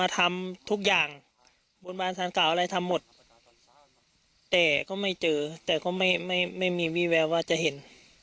แต่ก็ไม่มีวิแววว่าจะเห็น